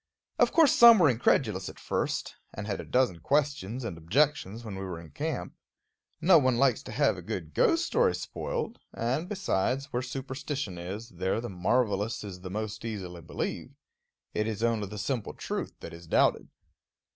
Of course some were incredulous at first, and had a dozen questions and objections when we were in camp. No one likes to have a good ghost story spoiled; and, besides, where superstition is, there the marvelous is most easily believed. It is only the simple truth that is doubted.